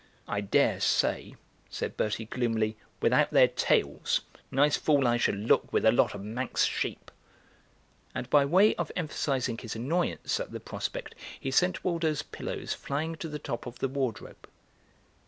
"I daresay," said Bertie gloomily, "without their tails. Nice fool I shall look with a lot of Manx sheep." And by way of emphasising his annoyance at the prospect he sent Waldo's pillows flying to the top of the wardrobe.